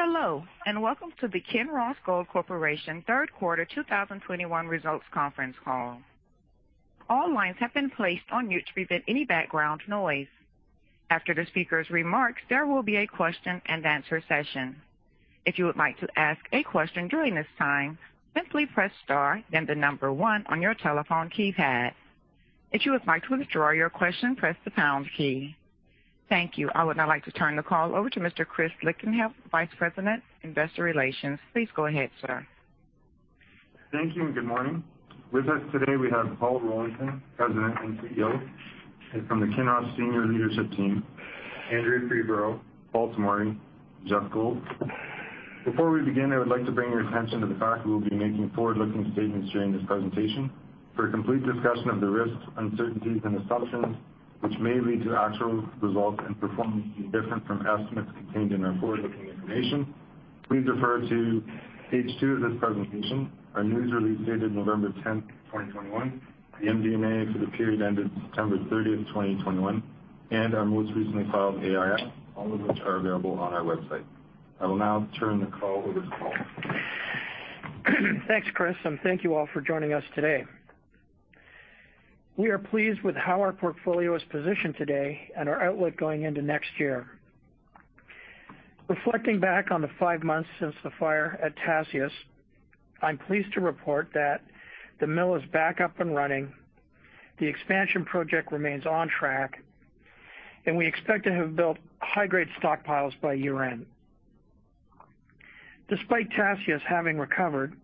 Hello, and welcome to the Kinross Gold Corporation third quarter 2021 results conference call. All lines have been placed on mute to prevent any background noise. After the speaker's remarks, there will be a question-and-answer session. If you would like to ask a question during this time, simply press star then the number one on your telephone keypad. If you would like to withdraw your question, press the pound key. Thank you. I would now like to turn the call over to Mr. Chris Lichtenheldt, Vice President, Investor Relations. Please go ahead, sir. Thank you and good morning. With us today, we have Paul Rollinson, President and CEO, and from the Kinross senior leadership team, Andrea Freeborough, Paul Tomory, Geoff Gold. Before we begin, I would like to bring your attention to the fact we will be making forward-looking statements during this presentation. For a complete discussion of the risks, uncertainties, and assumptions which may lead to actual results and performance to be different from estimates contained in our forward-looking information, please refer to page two of this presentation, our news release dated November 10th, 2021, the MD&A for the period ended September 30th, 2021, and our most recently filed AIF, all of which are available on our website. I will now turn the call over to Paul. Thanks, Chris, and thank you all for joining us today. We are pleased with how our portfolio is positioned today and our outlook going into next year. Reflecting back on the five months since the fire at Tasiast, I'm pleased to report that the mill is back up and running, the expansion project remains on track, and we expect to have built high-grade stockpiles by year-end. Despite Tasiast having recovered,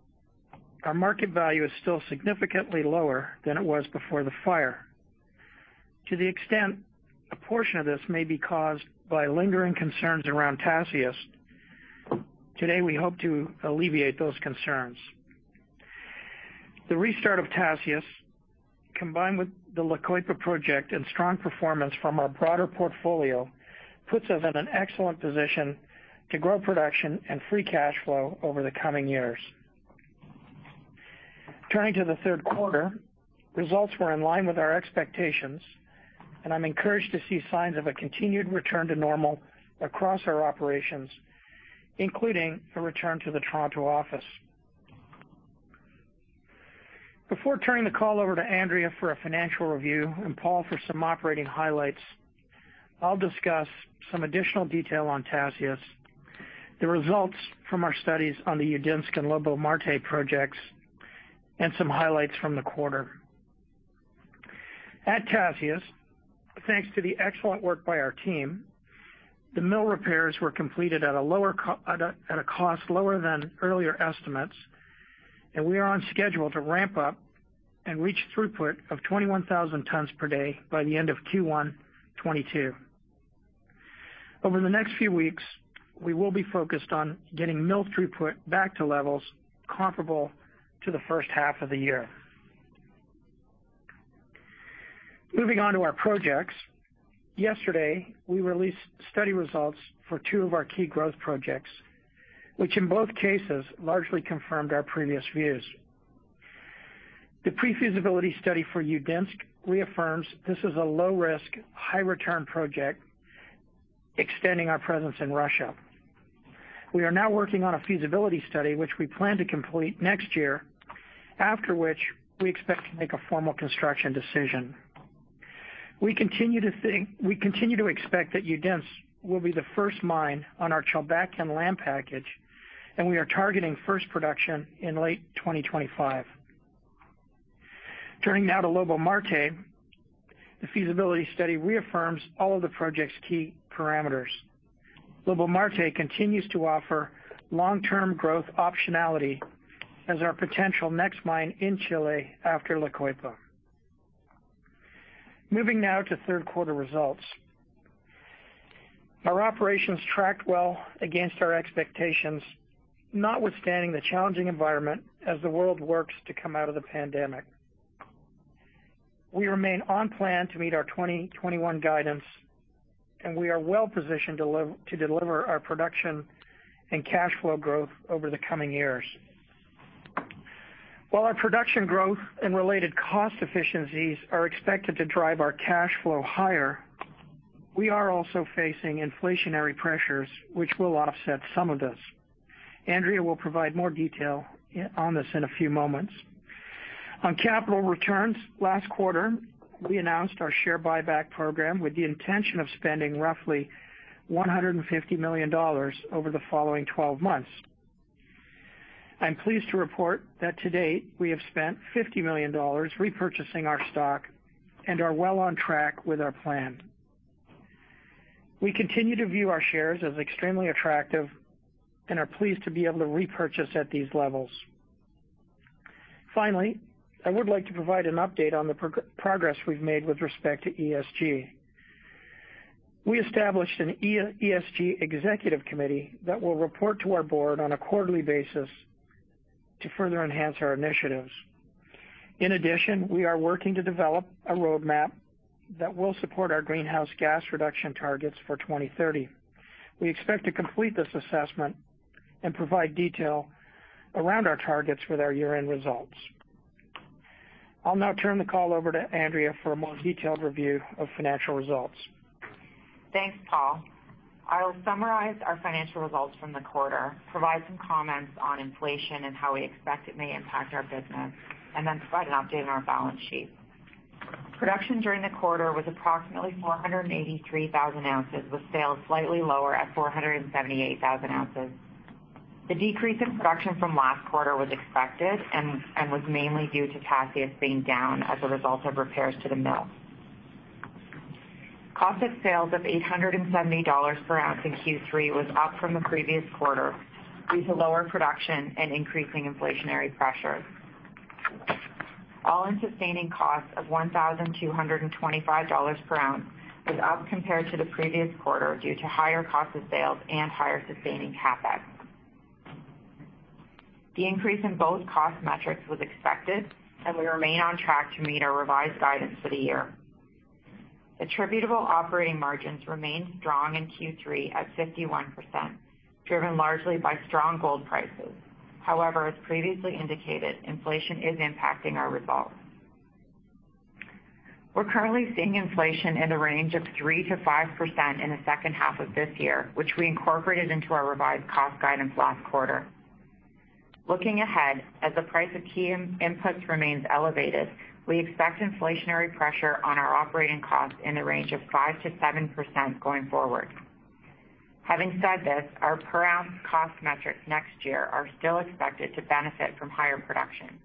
our market value is still significantly lower than it was before the fire. To the extent a portion of this may be caused by lingering concerns around Tasiast, today we hope to alleviate those concerns. The restart of Tasiast, combined with the La Coipa project and strong performance from our broader portfolio, puts us in an excellent position to grow production and free cash flow over the coming years. Turning to the third quarter, results were in line with our expectations, and I'm encouraged to see signs of a continued return to normal across our operations, including a return to the Toronto office. Before turning the call over to Andrea for a financial review and Paul for some operating highlights, I'll discuss some additional detail on Tasiast, the results from our studies on the Udinsk and Lobo-Marte projects, and some highlights from the quarter. At Tasiast, thanks to the excellent work by our team, the mill repairs were completed at a lower cost than earlier estimates, and we are on schedule to ramp up and reach throughput of 21,000 tons per day by the end of Q1 2022. Over the next few weeks, we will be focused on getting mill throughput back to levels comparable to the first half of the year. Moving on to our projects. Yesterday, we released study results for two of our key growth projects, which in both cases largely confirmed our previous views. The pre-feasibility study for Udinsk reaffirms this is a low risk, high return project extending our presence in Russia. We are now working on a feasibility study which we plan to complete next year, after which we expect to make a formal construction decision. We continue to expect that Udinsk will be the first mine on our Chulbatkan land package, and we are targeting first production in late 2025. Turning now to Lobo-Marte. The feasibility study reaffirms all of the project's key parameters. Lobo-Marte continues to offer long-term growth optionality as our potential next mine in Chile after La Coipa. Moving now to third quarter results. Our operations tracked well against our expectations, notwithstanding the challenging environment as the world works to come out of the pandemic. We remain on plan to meet our 2021 guidance, and we are well positioned to deliver our production and cash flow growth over the coming years. While our production growth and related cost efficiencies are expected to drive our cash flow higher, we are also facing inflationary pressures which will offset some of this. Andrea will provide more detail on this in a few moments. On capital returns, last quarter, we announced our share buyback program with the intention of spending roughly $150 million over the following 12 months. I'm pleased to report that to date, we have spent $50 million repurchasing our stock and are well on track with our plan. We continue to view our shares as extremely attractive and are pleased to be able to repurchase at these levels. Finally, I would like to provide an update on the progress we've made with respect to ESG. We established an ESG executive committee that will report to our board on a quarterly basis to further enhance our initiatives. In addition, we are working to develop a roadmap that will support our greenhouse gas reduction targets for 2030. We expect to complete this assessment and provide detail around our targets with our year-end results. I'll now turn the call over to Andrea for a more detailed review of financial results. Thanks, Paul. I'll summarize our financial results from the quarter, provide some comments on inflation and how we expect it may impact our business, and then provide an update on our balance sheet. Production during the quarter was approximately 483,000 ounces, with sales slightly lower at 478,000 ounces. The decrease in production from last quarter was expected and was mainly due to Tasiast being down as a result of repairs to the mill. Cost of sales of $870 per ounce in Q3 was up from the previous quarter due to lower production and increasing inflationary pressures. All-in sustaining costs of $1,225 per ounce was up compared to the previous quarter due to higher cost of sales and higher sustaining CapEx. The increase in both cost metrics was expected, and we remain on track to meet our revised guidance for the year. Attributable operating margins remained strong in Q3 at 51%, driven largely by strong gold prices. However, as previously indicated, inflation is impacting our results. We're currently seeing inflation in the range of 3%-5% in the second half of this year, which we incorporated into our revised cost guidance last quarter. Looking ahead, as the price of key in-inputs remains elevated, we expect inflationary pressure on our operating costs in the range of 5%-7% going forward. Having said this, our per ounce cost metrics next year are still expected to benefit from higher production.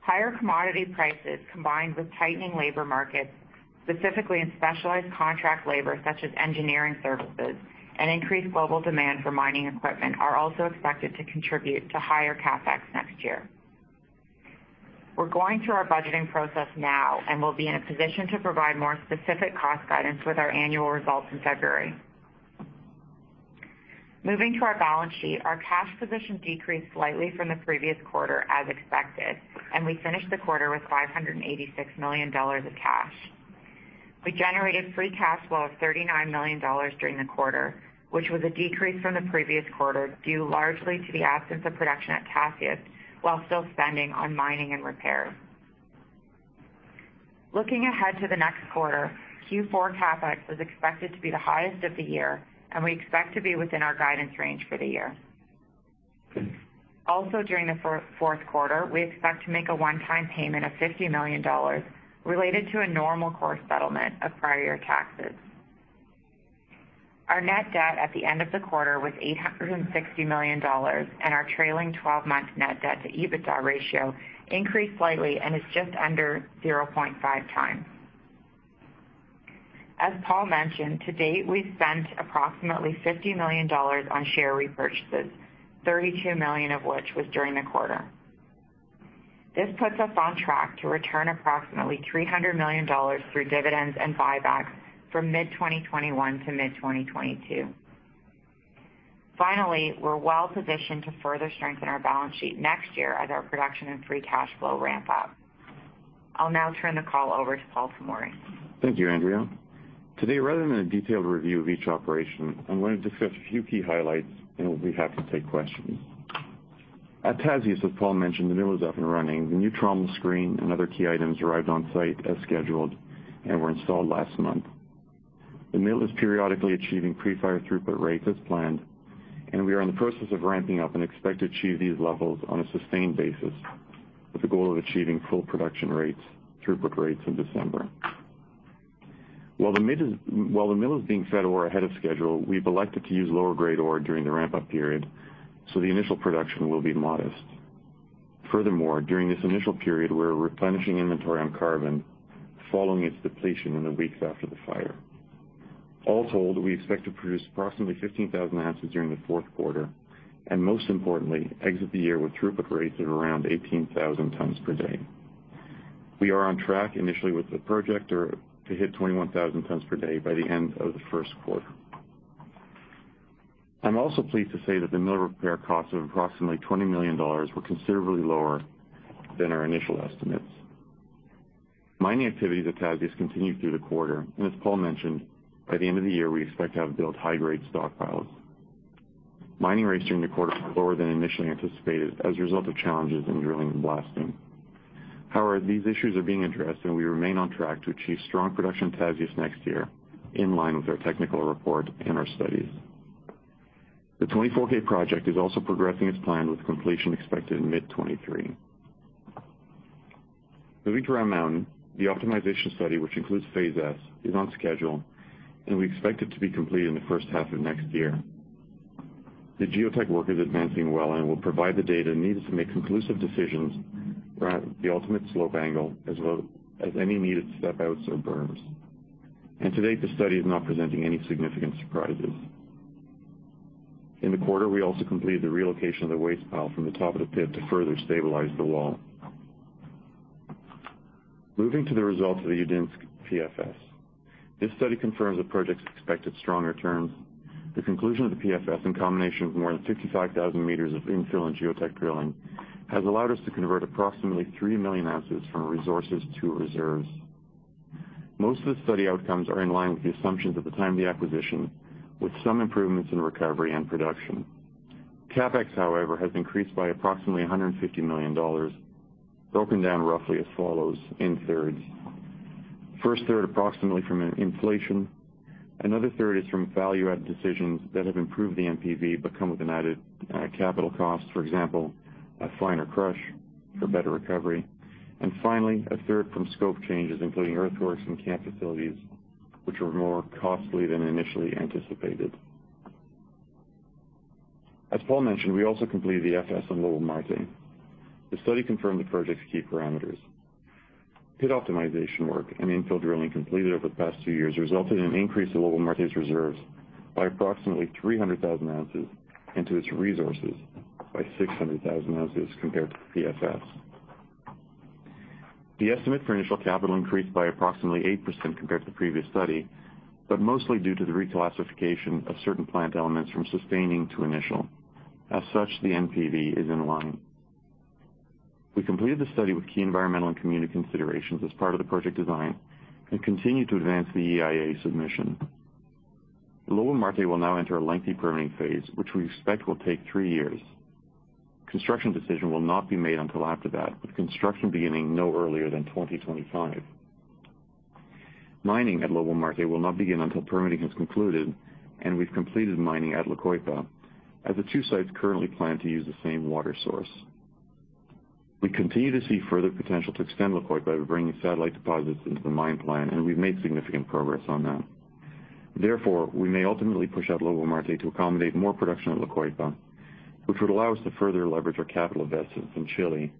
Higher commodity prices, combined with tightening labor markets, specifically in specialized contract labor such as engineering services and increased global demand for mining equipment, are also expected to contribute to higher CapEx next year. We're going through our budgeting process now, and we'll be in a position to provide more specific cost guidance with our annual results in February. Moving to our balance sheet, our cash position decreased slightly from the previous quarter, as expected, and we finished the quarter with $586 million of cash. We generated free cash flow of $39 million during the quarter, which was a decrease from the previous quarter, due largely to the absence of production at Tasiast while still spending on mining and repair. Looking ahead to the next quarter, Q4 CapEx is expected to be the highest of the year, and we expect to be within our guidance range for the year. Also during the fourth quarter, we expect to make a one-time payment of $50 million related to a normal course settlement of prior year taxes. Our net debt at the end of the quarter was $860 million, and our trailing 12 month net debt to EBITDA ratio increased slightly and is just under 0.5x. As Paul mentioned, to date, we've spent approximately $50 million on share repurchases, $32 million of which was during the quarter. This puts us on track to return approximately $300 million through dividends and buybacks from mid-2021 to mid-2022. Finally, we're well-positioned to further strengthen our balance sheet next year as our production and free cash flow ramp up. I'll now turn the call over to Paul Tomory. Thank you, Andrea. Today, rather than a detailed review of each operation, I'm going to discuss a few key highlights, and we'll be happy to take questions. At Tasiast, as Paul mentioned, the mill is up and running. The new trommel screen and other key items arrived on site as scheduled and were installed last month. The mill is periodically achieving pre-fire throughput rates as planned, and we are in the process of ramping up and expect to achieve these levels on a sustained basis, with the goal of achieving full production rates, throughput rates in December. While the mill is being fed ore ahead of schedule, we've elected to use lower grade ore during the ramp-up period, so the initial production will be modest. Furthermore, during this initial period, we're replenishing inventory on carbon following its depletion in the weeks after the fire. All told, we expect to produce approximately 15,000 ounces during the fourth quarter and, most importantly, exit the year with throughput rates of around 18,000 tons per day. We are on track initially with the project to hit 21,000 tons per day by the end of the first quarter. I'm also pleased to say that the mill repair costs of approximately $20 million were considerably lower than our initial estimates. Mining activity at Tasiast continued through the quarter, and as Paul mentioned, by the end of the year, we expect to have built high-grade stockpiles. Mining rates during the quarter were lower than initially anticipated as a result of challenges in drilling and blasting. However, these issues are being addressed, and we remain on track to achieve strong production at Tasiast next year, in line with our technical report and our studies. The 24K project is also progressing as planned, with completion expected in mid-2023. Moving to Round Mountain, the optimization study, which includes Phase S, is on schedule, and we expect it to be completed in the first half of next year. The geotech work is advancing well and will provide the data needed to make conclusive decisions throughout the ultimate slope angle, as well as any needed step outs or berms. To date, the study is not presenting any significant surprises. In the quarter, we also completed the relocation of the waste pile from the top of the pit to further stabilize the wall. Moving to the results of the Udinsk PFS. This study confirms the project's expected stronger terms. The conclusion of the PFS, in combination with more than 55,000 m of infill and geotech drilling, has allowed us to convert approximately 3 million ounces from resources to reserves. Most of the study outcomes are in line with the assumptions at the time of the acquisition, with some improvements in recovery and production. CapEx, however, has increased by approximately $150 million, broken down roughly as follows in thirds. First 1/3, approximately from an inflation. Another 1/3 Is from value add decisions that have improved the NPV but come with an added capital cost. For example, a finer crush for better recovery. Finally, 1/3 from scope changes, including earthworks and camp facilities, which were more costly than initially anticipated. As Paul mentioned, we also completed the FS on Lobo-Marte. The study confirmed the project's key parameters. Pit optimization work and infill drilling completed over the past two years resulted in an increase to Lobo-Marte's reserves by approximately 300,000 ounces into its resources by 600,000 ounces compared to PFS. The estimate for initial capital increased by approximately 8% compared to the previous study, but mostly due to the reclassification of certain plant elements from sustaining to initial. As such, the NPV is in line. We completed the study with key environmental and community considerations as part of the project design and continue to advance the EIA submission. Lobo-Marte will now enter a lengthy permitting phase, which we expect will take three years. Construction decision will not be made until after that, with construction beginning no earlier than 2025. Mining at Lobo-Marte will not begin until permitting has concluded, and we've completed mining at La Coipa, as the two sites currently plan to use the same water source. We continue to see further potential to extend La Coipa by bringing satellite deposits into the mine plan, and we've made significant progress on that. Therefore, we may ultimately push out Lobo-Marte to accommodate more production at La Coipa, which would allow us to further leverage our capital investments in Chile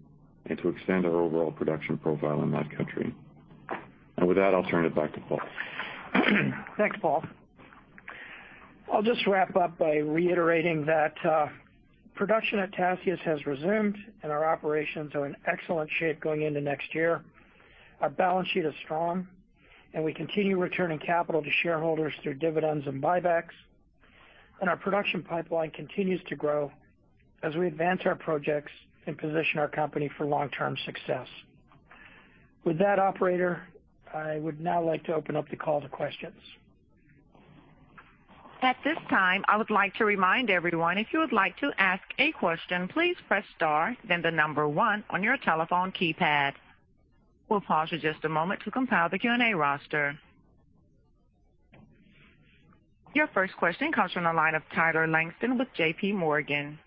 and to extend our overall production profile in that country. With that, I'll turn it back to Paul. Thanks, Paul. I'll just wrap up by reiterating that production at Tasiast has resumed, and our operations are in excellent shape going into next year. Our balance sheet is strong, and we continue returning capital to shareholders through dividends and buybacks. Our production pipeline continues to grow as we advance our projects and position our company for long-term success. With that, operator, I would now like to open up the call to questions. At this time, I would like to remind everyone if you would like to ask a question, please press star, then the number one on your telephone keypad. We'll pause for just a moment to compile the Q&A roster. Your first question comes from the line of Tyler Langton with JPMorgan.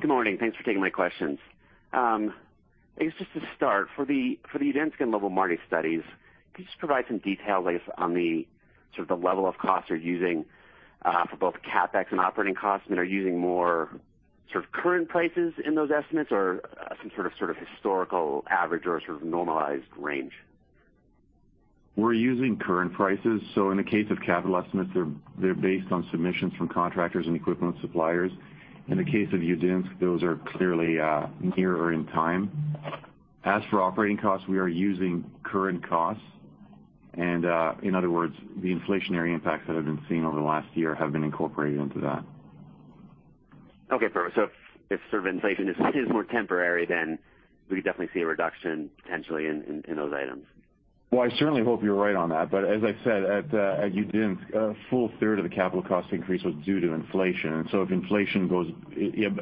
Good morning. Thanks for taking my questions. I guess just to start, for the Udinsk and Lobo-Marte studies, could you just provide some detail, like, on the sort of the level of costs you're using, for both CapEx and operating costs? Are you using more sort of current prices in those estimates or some sort of historical average or sort of normalized range? We're using current prices, so in the case of capital estimates, they're based on submissions from contractors and equipment suppliers. In the case of Udinsk, those are clearly nearer in time. As for operating costs, we are using current costs. In other words, the inflationary impacts that have been seen over the last year have been incorporated into that. Okay, perfect. If sort of inflation is more temporary, then we definitely see a reduction potentially in those items. Well, I certainly hope you're right on that, but as I said, at Udinsk, a full 1/3 of the capital cost increase was due to inflation. If inflation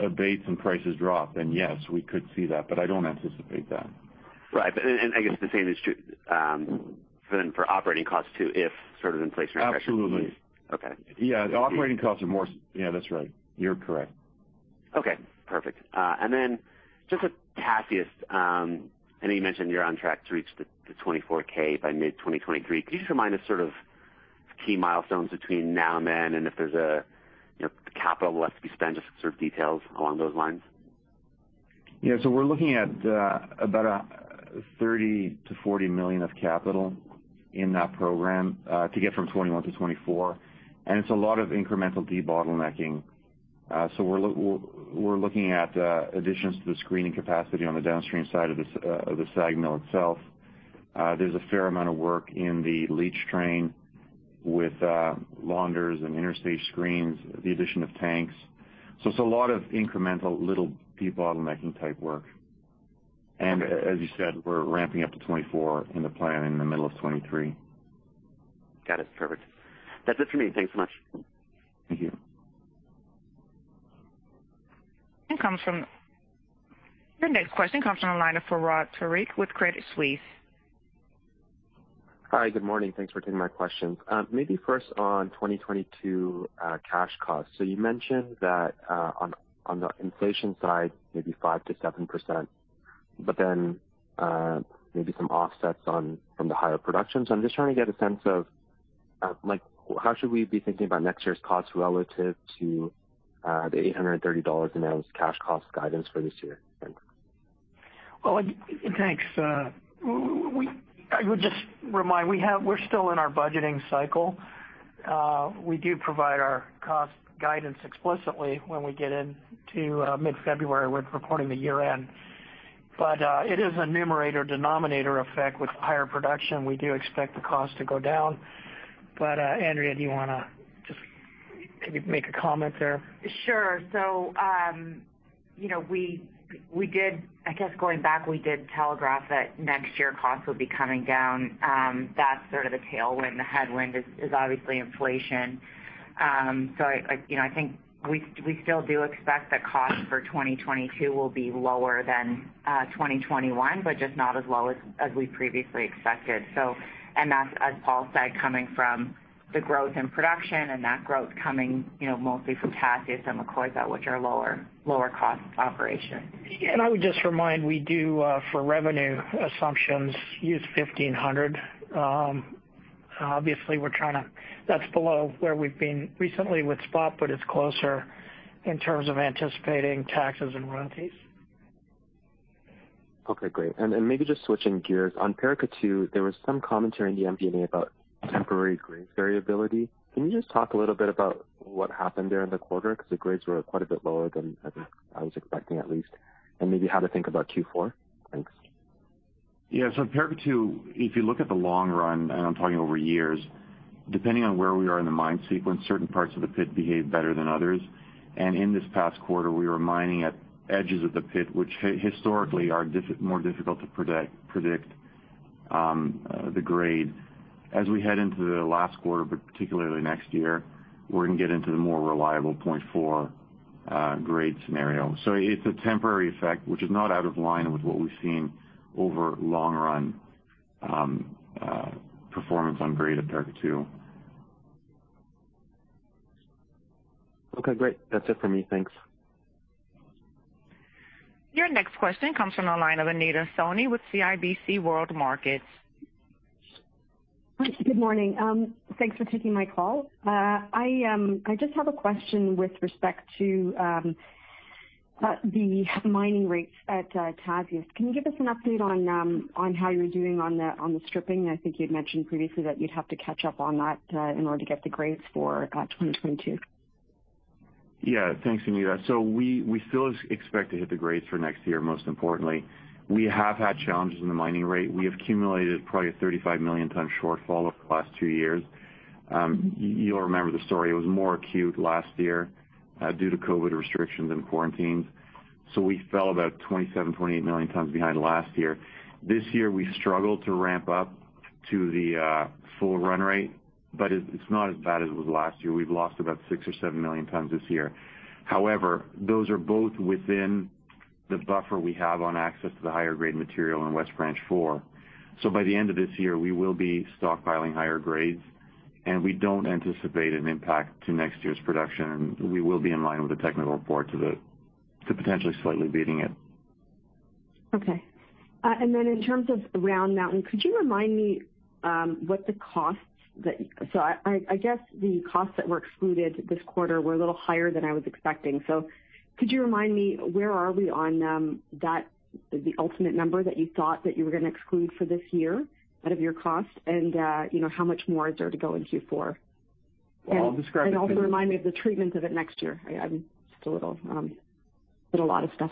abates and prices drop, then yes, we could see that, but I don't anticipate that. Right. I guess the same is true, then for operating costs too, if sort of inflation pressure. Absolutely. Okay. Yeah, the operating costs are more. Yeah, that's right. You're correct. Okay, perfect. Just with Tasiast, I know you mentioned you're on track to reach the 24,000 by mid-2023. Could you just remind us sort of key milestones between now and then and if there's a, you know, capital that has to be spent, just sort of details along those lines? Yeah, we're looking at about $30 million-$40 million of capital in that program to get from 21,000-24,000 and it's a lot of incremental debottlenecking. We're looking at additions to the screening capacity on the downstream side of the SAG mill itself. There's a fair amount of work in the leach train with launders and interstage screens, the addition of tanks. It's a lot of incremental little debottlenecking type work. As you said, we're ramping up to 24,000 in the plan in the middle of 2023. Got it. Perfect. That's it for me. Thanks so much. Thank you. Your next question comes from the line of Fahad Tariq with Credit Suisse. Hi. Good morning. Thanks for taking my questions. Maybe first on 2022, cash costs. You mentioned that, on the inflation side, maybe 5%-7%, but then, maybe some offsets from the higher production. I'm just trying to get a sense of, like how should we be thinking about next year's costs relative to, the $830 per ounce cash cost guidance for this year? Thanks. Well, thanks. I would just remind we're still in our budgeting cycle. We do provide our cost guidance explicitly when we get into mid-February with reporting the year-end. It is a numerator-denominator effect with higher production. We do expect the cost to go down. Andrea, can you make a comment there? Sure. You know, I guess going back, we did telegraph that next year costs would be coming down. That's sort of the tailwind. The headwind is obviously inflation. Like, you know, I think we still do expect that costs for 2022 will be lower than 2021, but just not as low as we previously expected. That's, as Paul said, coming from the growth in production and that growth coming, you know, mostly from Tasiast and Lamaque, which are lower cost operations. I would just remind, we do for revenue assumptions use $1500. Obviously that's below where we've been recently with spot, but it's closer in terms of anticipating taxes and royalties. Okay, great. Maybe just switching gears. On Paracatu, there was some commentary in the MD&A about temporary grades variability. Can you just talk a little bit about what happened there in the quarter? Because the grades were quite a bit lower than I think I was expecting, at least. Maybe how to think about Q4. Thanks. Yeah. Paracatu, if you look at the long run, and I'm talking over years, depending on where we are in the mine sequence, certain parts of the pit behave better than others. In this past quarter, we were mining at edges of the pit, which historically are more difficult to predict the grade. As we head into the last quarter, but particularly next year, we're gonna get into the more reliable 0.4 grade scenario. It's a temporary effect, which is not out of line with what we've seen over long run performance on grade at Paracatu. Okay, great. That's it for me. Thanks. Your next question comes from the line of Anita Soni with CIBC World Markets. Good morning. Thanks for taking my call. I just have a question with respect to the mining rates at Tasiast. Can you give us an update on how you're doing on the stripping? I think you'd mentioned previously that you'd have to catch up on that in order to get the grades for 2022. Yeah. Thanks, Anita. We still expect to hit the grades for next year, most importantly. We have had challenges in the mining rate. We have accumulated probably a 35 million ton shortfall over the last two years. You'll remember the story. It was more acute last year, due to COVID restrictions and quarantines. We fell about 27 million-28 million tons behind last year. This year, we struggled to ramp up to the full run rate, but it's not as bad as it was last year. We've lost about 6 million or 7 million tons this year. However, those are both within the buffer we have on access to the higher grade material in West Branch 4. By the end of this year, we will be stockpiling higher grades, and we don't anticipate an impact to next year's production. We will be in line with the technical report to potentially slightly beating it. Okay. In terms of Round Mountain, I guess the costs that were excluded this quarter were a little higher than I was expecting. Could you remind me where are we on that, the ultimate number that you thought that you were gonna exclude for this year out of your cost? You know, how much more is there to go in Q4? Well, I'll describe. Also remind me of the treatment of it next year. I just a little been a lot of stuff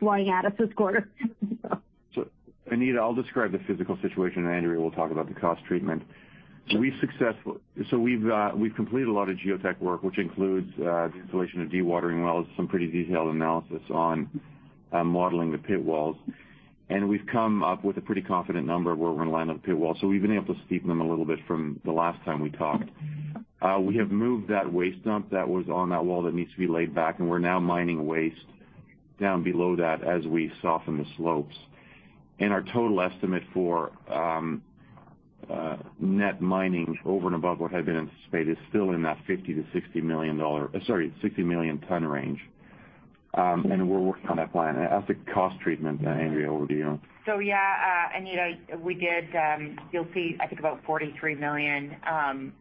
flying out at us this quarter, so. Anita, I'll describe the physical situation, and Andrea will talk about the cost treatment. We've completed a lot of geotech work, which includes the installation of dewatering wells, some pretty detailed analysis on modeling the pit walls. We've come up with a pretty confident number of where we're gonna land on the pit wall. We've been able to steepen them a little bit from the last time we talked. We have moved that waste dump that was on that wall that needs to be laid back, and we're now mining waste down below that as we soften the slopes. Our total estimate for net mining over and above what had been anticipated is still in that 50 milion-60 million ton range. We're working on that plan. As to cost treatment, Andrea, over to you. Yeah, Anita, we did. You'll see, I think about $43 million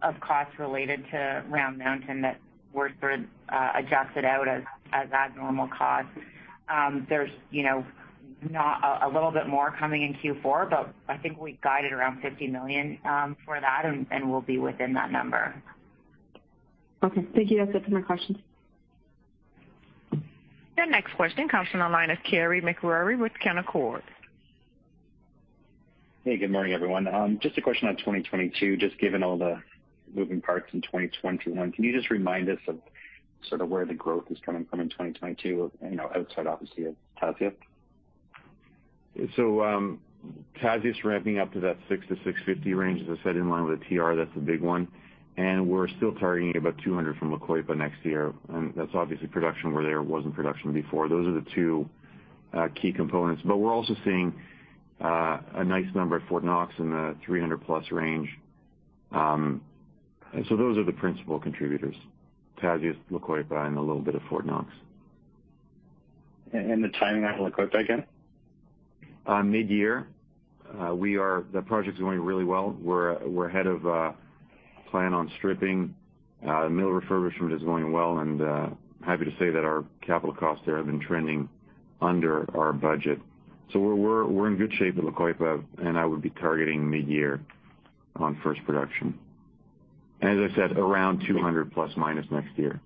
of costs related to Round Mountain that were sort of adjusted out as abnormal costs. There's, you know, not a little bit more coming in Q4, but I think we guided around $50 million for that and we'll be within that number. Okay. Thank you. That's it for my questions. Your next question comes from the line of Carey MacRury with Canaccord. Hey, good morning, everyone. Just a question on 2022. Just given all the moving parts in 2021, can you just remind us of sort of where the growth is coming from in 2022, you know, outside obviously of Tasiast? Tasiast ramping up to that 600-650 range, as I said, in line with the TR. That's the big one. We're still targeting about 200 from Lamaque next year. That's obviously production where there wasn't production before. Those are the two key components. We're also seeing a nice number at Fort Knox in the 300+ range. Those are the principal contributors, Tasiast, Lamaque, and a little bit of Fort Knox. The timing on Lamaque again? Mid-year, the project is going really well. We're ahead of- planning in stripping. I may refer this from just going on well and I am happy to say there are capital costs that have been trending under our budget. We're in good shape at Lamaque, and I would be targeting mid-year on first production. As I said, around 200± next year.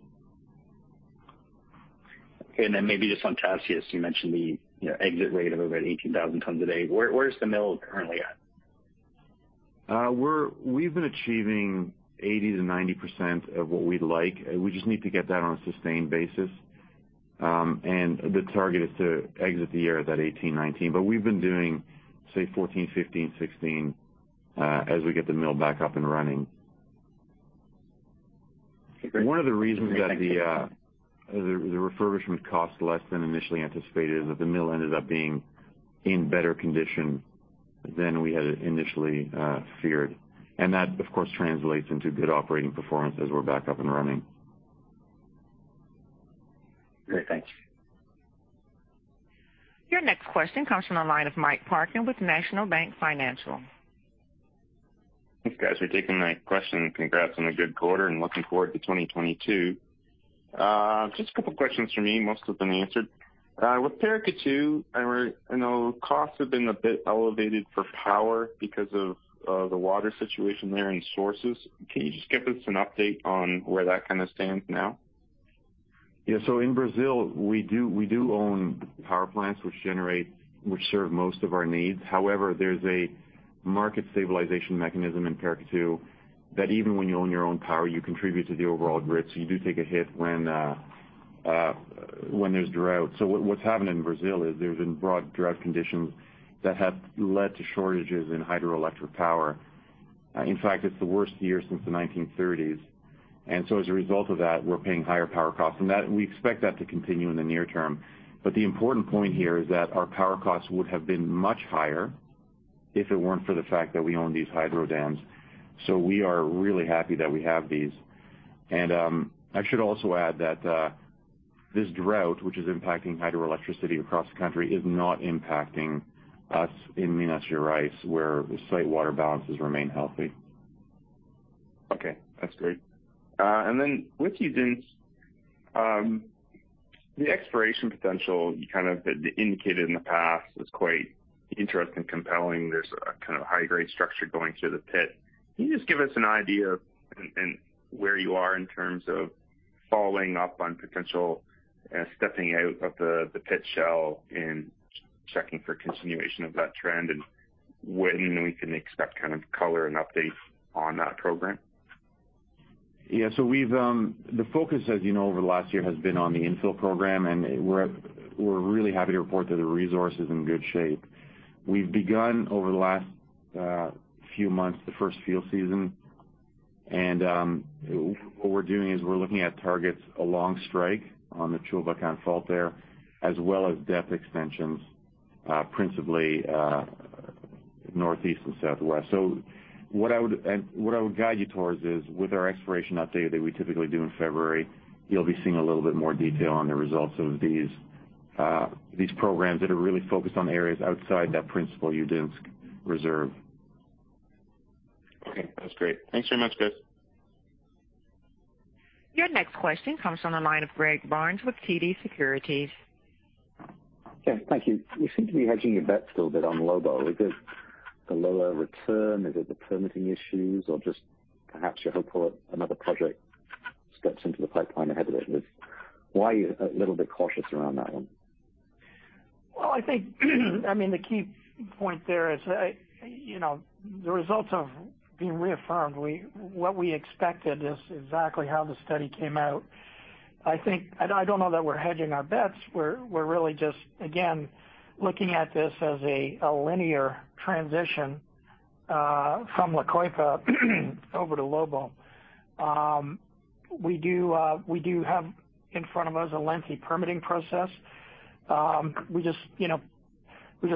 Okay. Maybe just on Tasiast, you mentioned the, you know, exit rate of about 18,000 tons a day. Where is the mill currently at? We've been achieving 80%-90% of what we'd like. We just need to get that on a sustained basis. The target is to exit the year at that 2018/2019. We've been doing, say, 2014, 2015, 2016, as we get the mill back up and running. Great. One of the reasons that the refurbishment cost less than initially anticipated is that the mill ended up being in better condition than we had initially feared. That, of course, translates into good operating performance as we're back up and running. Great. Thank you. Your next question comes from the line of Mike Parkin with National Bank Financial. Thanks, guys, for taking my question. Congrats on a good quarter and looking forward to 2022. Just a couple questions from me. Most have been answered. With Paracatu, I know costs have been a bit elevated for power because of the water situation there and shortages. Can you just give us an update on where that kind of stands now? Yeah. In Brazil, we do own power plants which serve most of our needs. However, there's a market stabilization mechanism in Paracatu that even when you own your own power, you contribute to the overall grid. You do take a hit when there's drought. What's happened in Brazil is there's been broad drought conditions that have led to shortages in hydroelectric power and in fact, it's the worst year since the 1930s. As a result of that, we're paying higher power costs. That we expect that to continue in the near term. The important point here is that our power costs would have been much higher if it weren't for the fact that we own these hydro dams. We are really happy that we have these. I should also add that this drought, which is impacting hydroelectricity across the country, is not impacting us in Minas Gerais, where the site water balances remain healthy. Okay, that's great. With Udinsk, the exploration potential you kind of indicated in the past is quite interesting, compelling. There's a kind of high-grade structure going through the pit. Can you just give us an idea and where you are in terms of following up on potential stepping out of the pit shell and checking for continuation of that trend and when we can expect kind of color and updates on that program? The focus, as you know, over the last year has been on the infill program, and we're really happy to report that the resource is in good shape. We've begun, over the last few months, the first field season. What we're doing is we're looking at targets along strike on the Chulbatkan fault there, as well as depth extensions, principally, northeast and southwest. What I would guide you towards is with our exploration update that we typically do in February, you'll be seeing a little bit more detail on the results of these programs that are really focused on areas outside that principal Udinsk reserve. Okay. That's great. Thanks very much, guys. Your next question comes from the line of Greg Barnes with TD Securities. Yeah. Thank you. You seem to be hedging your bets a little bit on Lobo. Is it the lower return? Is it the permitting issues, or just perhaps you're hopeful another project steps into the pipeline ahead of it? Why are you a little bit cautious around that one? Well, I think I mean, the key point there is, you know, the results have been reaffirmed. What we expected is exactly how the study came out. I think. I don't know that we're hedging our bets. We're really just, again, looking at this as a linear transition from La Coipa over to Lobo. We have in front of us a lengthy permitting process. We just, you know,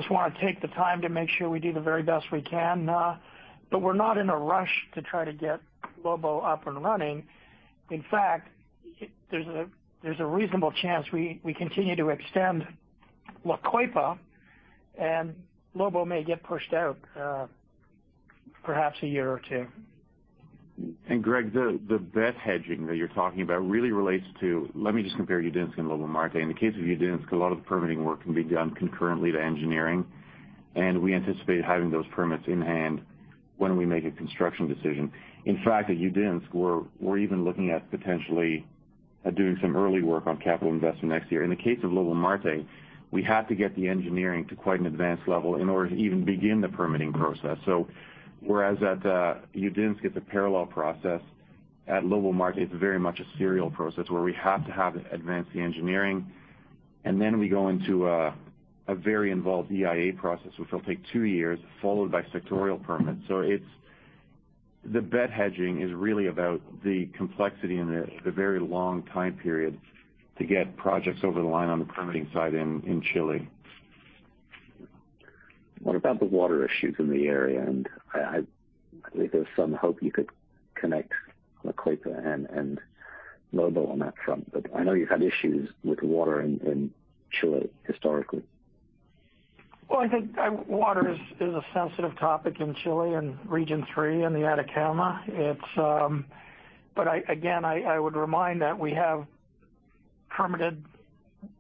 wanna take the time to make sure we do the very best we can. We're not in a rush to try to get Lobo up and running. In fact, there's a reasonable chance we continue to extend La Coipa and Lobo may get pushed out, perhaps a year or two. Greg, the bet hedging that you're talking about really relates to. Let me just compare Udinsk and Lobo-Marte. In the case of Udinsk, a lot of the permitting work can be done concurrently to engineering, and we anticipate having those permits in hand when we make a construction decision. In fact, at Udinsk, we're even looking at potentially doing some early work on capital investment next year. In the case of Lobo-Marte, we have to get the engineering to quite an advanced level in order to even begin the permitting process. Whereas at Udinsk, it's a parallel process, at Lobo-Marte, it's very much a serial process where we have to have advanced the engineering and then we go into a very involved EIA process, which will take two years, followed by sectoral permits. It's the bet hedging is really about the complexity and the very long time periods to get projects over the line on the permitting side in Chile. What about the water issues in the area? I believe there's some hope you could connect La Coipa and Lobo on that front. I know you've had issues with water in Chile historically. Well, I think water is a sensitive topic in Chile and Region III in the Atacama. It's. But I again would remind that we have permitted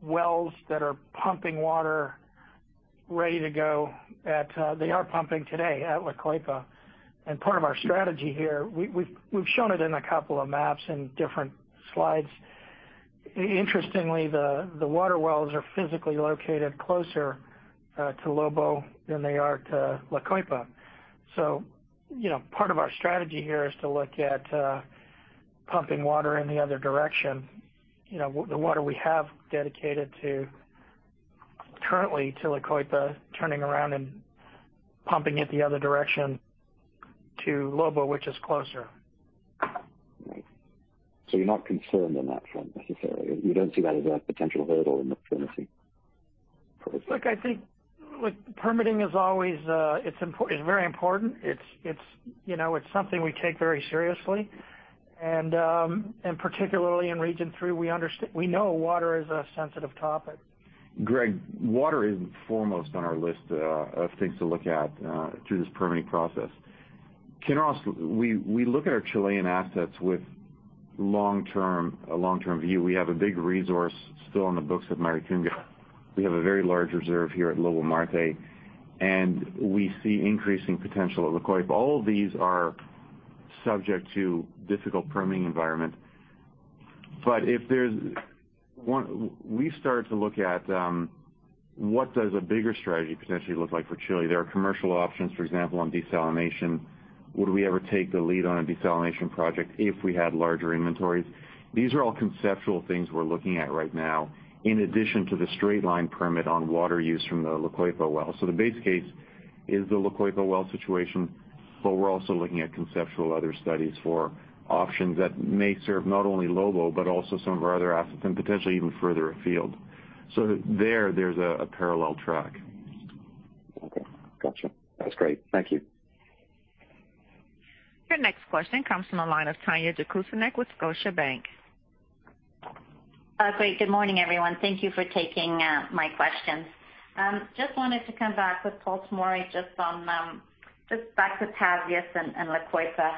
wells that are pumping water ready to go at. They are pumping today at La Coipa. Part of our strategy here, we've shown it in a couple of maps in different slides. Interestingly, the water wells are physically located closer to Lobo than they are to La Coipa. You know, part of our strategy here is to look at pumping water in the other direction, you know, the water we have dedicated currently to La Coipa, turning around and pumping it the other direction to Lobo, which is closer. Right. You're not concerned on that front necessarily? You don't see that as a potential hurdle in the permitting for this? Look, permitting is always, it's very important. It's, you know, it's something we take very seriously, and particularly in Region III we know water is a sensitive topic. Greg, water is foremost on our list of things to look at through this permitting process. Kinross, we look at our Chilean assets with long-term view. We have a big resource still on the books at Maricunga. We have a very large reserve here at Lobo-Marte, and we see increasing potential at La Coipa. All of these are subject to difficult permitting environment. If there's one we started to look at what does a bigger strategy potentially look like for Chile? There are commercial options, for example, on desalination. Would we ever take the lead on a desalination project if we had larger inventories? These are all conceptual things we're looking at right now, in addition to the straight-line permit on water use from the La Coipa well. The base case is the La Coipa well situation, but we're also looking at conceptual other studies for options that may serve not only Lobo, but also some of our other assets and potentially even further afield. There, there's a parallel track. Okay. Gotcha. That's great. Thank you. Your next question comes from the line of Tanya Jakusconek with Scotiabank. Great. Good morning, everyone. Thank you for taking my questions. Just wanted to come back with Paul Tomory just on, just back to Tasiast and La Coipa.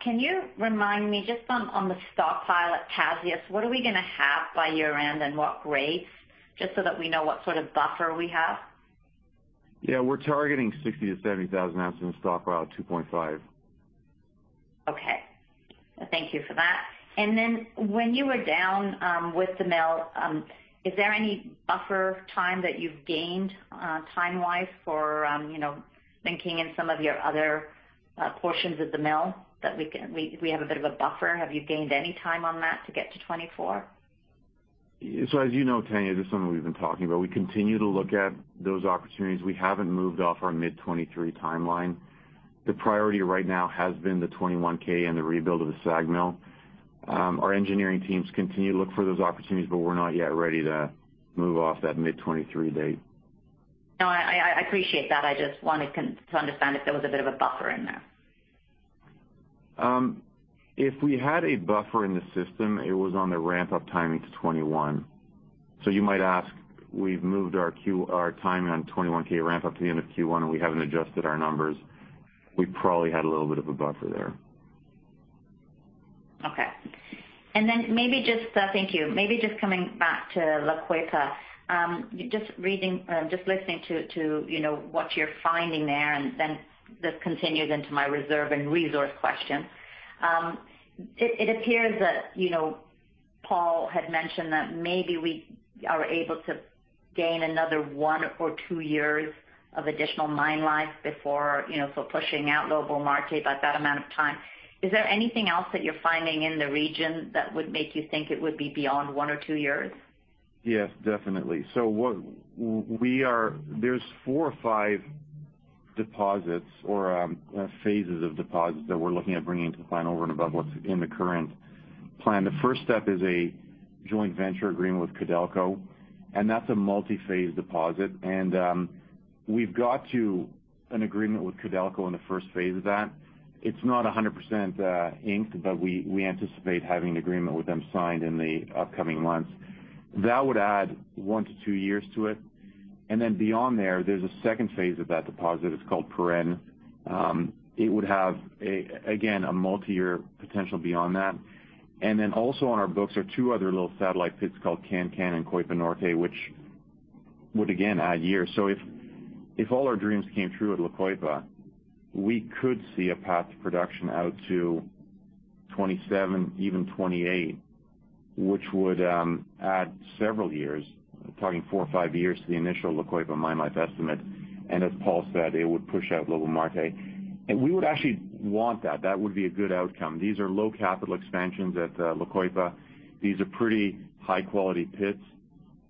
Can you remind me just on the stockpile at Tasiast, what are we gonna have by year-end and what grades, just so that we know what sort of buffer we have? Yeah. We're targeting 60,000-70,000 ounces in the stockpile at 2.5. Okay. Thank you for that. Then when you were down with the mill, is there any buffer time that you've gained time-wise for you know linking in some of your other portions of the mill that we have a bit of a buffer? Have you gained any time on that to get to 24,000 ounce? As you know, Tanya, this is something we've been talking about. We continue to look at those opportunities. We haven't moved off our, mid-2023 timeline. The priority right now has been the 21,000 ounces and the rebuild of the SAG mill. Our engineering teams continue to look for those opportunities, but we're not yet ready to move off that mid-2023 date. No, I appreciate that. I just wanted to understand if there was a bit of a buffer in there. If we had a buffer in the system, it was on the ramp-up timing to 2021. You might ask, we've moved our timing on 21,000 ounces ramp up to the end of Q1, and we haven't adjusted our numbers. We probably had a little bit of a buffer there. Okay. Then maybe just coming back to La Coipa, just listening to, you know, what you're finding there, and then this continues into my reserve and resource question. It appears that, you know, Paul had mentioned that maybe we are able to gain another one or two years of additional mine life before, you know, so pushing out Lobo-Marte by that amount of time. Is there anything else that you're finding in the region that would make you think it would be beyond one or two years? Yes, definitely. There's four or five deposits or phases of deposits that we're looking at bringing into plan over and above what's in the current plan. The first step is a joint venture agreement with Codelco, and that's a multi-phase deposit. We've got to an agreement with Codelco in the first phase of that. It's not 100% inked, but we anticipate having an agreement with them signed in the upcoming months. That would add one to two years to it. Then beyond there's a second phase of that deposit. It's called Puren. It would have a, again, a multi-year potential beyond that. Then also on our books are two other little satellite pits called Can-Can and Coipa Norte, which would again add years. If all our dreams came true at La Coipa, we could see a path to production out to 2027, even 2028, which would add several years, talking four or five years to the initial La Coipa mine life estimate. As Paul said, it would push out Lobo-Marte. We would actually want that. That would be a good outcome. These are low capital expansions at La Coipa. These are pretty high-quality pits,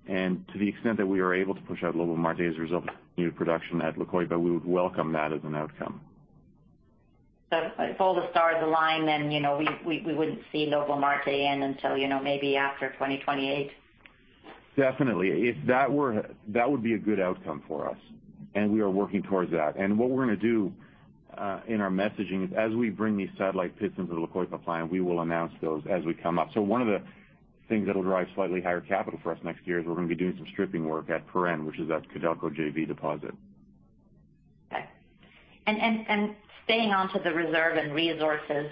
and to the extent that we are able to push out Lobo-Marte as a result of new production at La Coipa, we would welcome that as an outcome. If all the stars align, then, you know, we wouldn't see Lobo-Marte in until, you know, maybe after 2028? Definitely. If that were, that would be a good outcome for us, and we are working towards that. What we're gonna do in our messaging is, as we bring these satellite pits into the La Coipa plan, we will announce those as we come up. One of the things that'll drive slightly higher capital for us next year is we're gonna be doing some stripping work at Puren, which is that Codelco JV deposit. Staying on to the reserves and resources,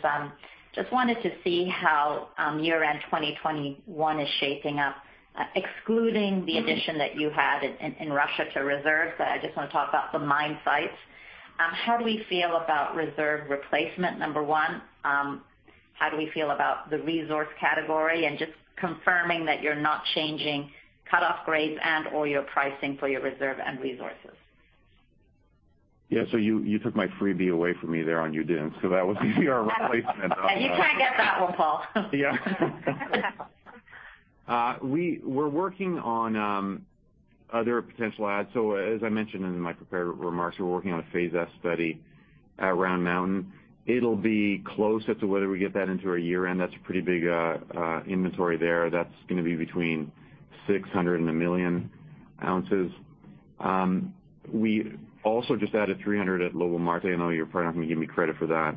just wanted to see how year-end 2021 is shaping up, excluding the addition that you had in Russia to reserves. I just wanna talk about the mine sites. How do we feel about reserve replacement, number one? How do we feel about the resource category and just confirming that you're not changing cutoff grades and/or your pricing for your reserves and resources? Yeah. You took my freebie away from me there on Udinsk, so that was our replacement. You can't get that one, Paul. Yeah. We're working on other potential adds. As I mentioned in my prepared remarks, we're working on a Phase S study at Round Mountain. It'll be close as to whether we get that into our year-end. That's a pretty big inventory there. That's gonna be between 601 million ounces. We also just added 300 million ounces at Lobo-Marte. I know you're probably not gonna give me credit for that.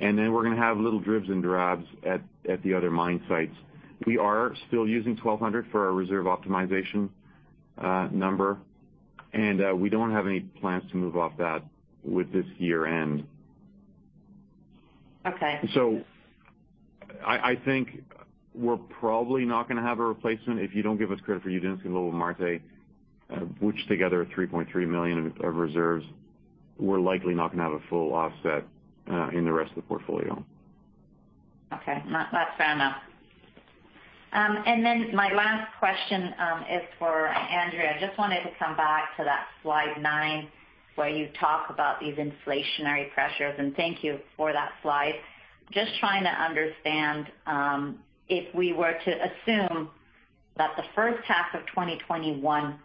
We're gonna have little dribs and drabs at the other mine sites. We are still using 1,200 ounces for our reserve optimization number, and we don't have any plans to move off that with this year-end. Okay. I think we're probably not gonna have a replacement if you don't give us credit for Udinsk and Lobo-Marte, which together are 3.3 million of reserves. We're likely not gonna have a full offset in the rest of the portfolio. Okay. That's fair enough. And then my last question is for Andrea. I just wanted to come back to that slide nine where you talk about these inflationary pressures, and thank you for that slide. Just trying to understand, if we were to assume that the first half of 2021,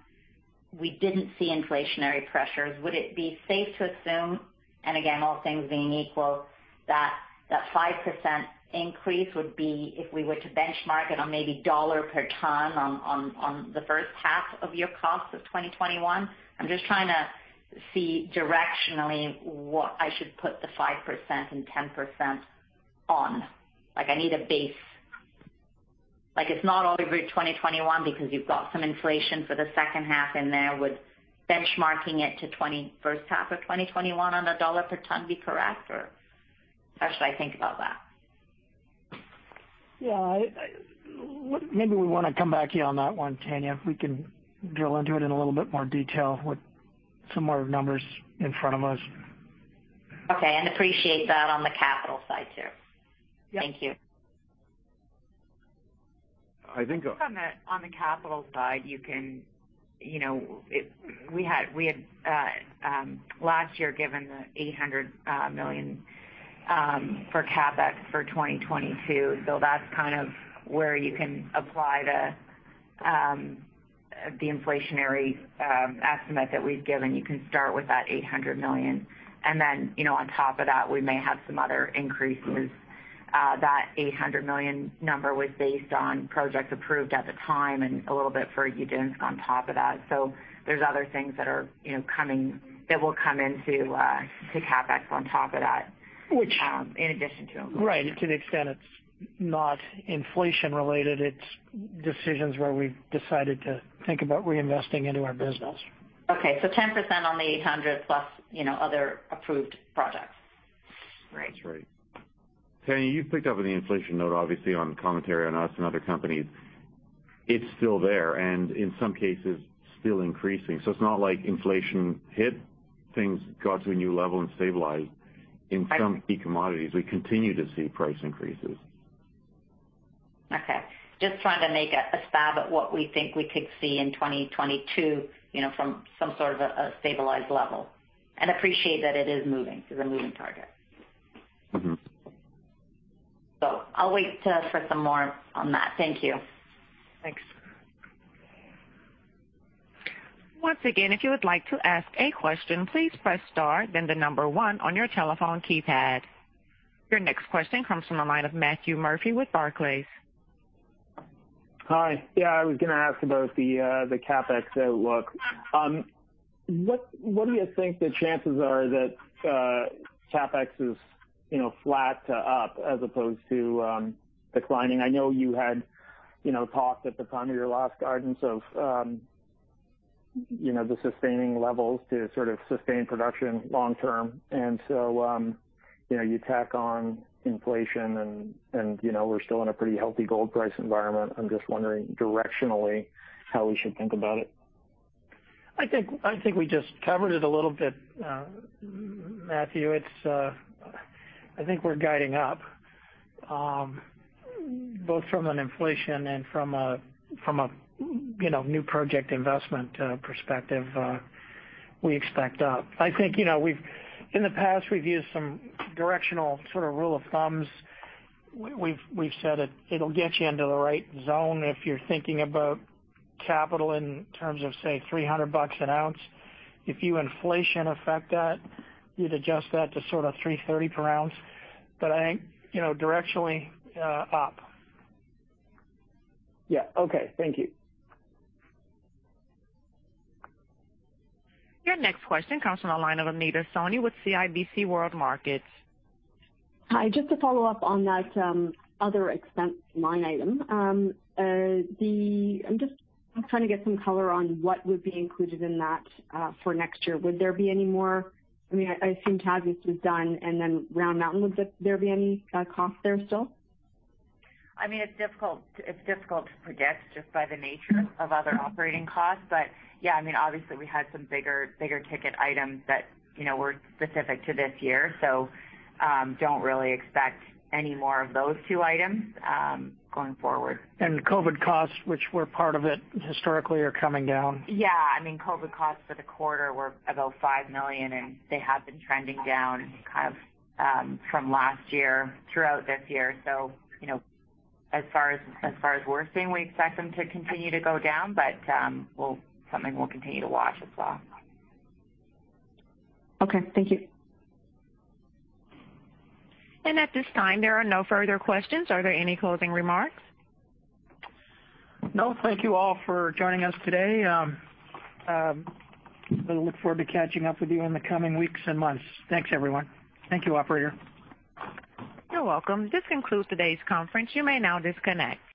we didn't see inflationary pressures, would it be safe to assume, and again, all things being equal, that that 5% increase would be if we were to benchmark it on maybe a dollar per ton on the first half of your costs of 2021? I'm just trying to see directionally what I should put the 5% and 10% on. Like, I need a base. Like, it's not all the way to 2021 because you've got some inflation for the second half in there. Would benchmarking it to first half of 2021 on a $1 per ton be correct, or how should I think about that? Yeah. Maybe we wanna come back to you on that one, Tanya. We can drill into it in a little bit more detail with some more numbers in front of us. Okay. I appreciate that on the capital side too. Yeah. Thank you. I think. Just on the capital side, you can. You know, we had last year given the $800 million for CapEx for 2022. That's kind of where you can apply the inflationary estimate that we've given. You can start with that $800 million. Then, you know, on top of that, we may have some other increases. That $800 million number was based on projects approved at the time and a little bit for Udinsk on top of that. There's other things that are, you know, coming, that will come into CapEx on top of that. Which- ...In addition to them. Right. To the extent it's not inflation related, it's decisions where we've decided to think about reinvesting into our business. Okay. 10% on the $800+, you know, other approved projects. Right. That's right. Tanya, you've picked up on the inflation note, obviously on commentary on us and other companies. It's still there, and in some cases still increasing. It's not like inflation hit, things got to a new level and stabilized. Right. In some key commodities, we continue to see price increases. Okay. Just trying to make a stab at what we think we could see in 2022, you know, from some sort of a stabilized level, and appreciate that it is moving. This is a moving target. Mm-hmm. I'll wait for some more on that. Thank you. Thanks. Your next question comes from the line of Matthew Murphy with Barclays. Hi. Yeah, I was gonna ask about the CapEx outlook. What do you think the chances are that CapEx is, you know, flat to up as opposed to declining? I know you had, you know, talked at the time of your last guidance of the sustaining levels to sort of sustain production long term. You tack on inflation and, you know, we're still in a pretty healthy gold price environment. I'm just wondering directionally how we should think about it. I think we just covered it a little bit, Matthew. I think we're guiding up both from an inflation and from a you know, new project investment perspective, we expect up. I think, you know, in the past, we've used some directional sort of rule of thumb. We've said it'll get you into the right zone if you're thinking about capital in terms of, say, $300 an ounce. If you inflation effect that, you'd adjust that to sort of $330 per ounce. I think, you know, directionally, up. Yeah. Okay. Thank you. Your next question comes from the line of Anita Soni with CIBC World Markets. Hi. Just to follow up on that, other expense line item. I'm just trying to get some color on what would be included in that, for next year. I mean, I assume Tasiast was done, and then Round Mountain, would there be any cost there still? I mean, it's difficult to predict just by the nature of other operating costs. Yeah, I mean, obviously we had some bigger ticket items that, you know, were specific to this year. Don't really expect any more of those two items going forward. COVID costs, which were part of it historically, are coming down. Yeah. I mean, COVID costs for the quarter were about $5 million, and they have been trending down kind of from last year throughout this year. You know, as far as we're seeing, we expect them to continue to go down, but we'll continue to watch as well. Okay. Thank you. At this time, there are no further questions. Are there any closing remarks? No. Thank you all for joining us today. We look forward to catching up with you in the coming weeks and months. Thanks, everyone. Thank you, operator. You're welcome. This concludes today's conference. You may now disconnect.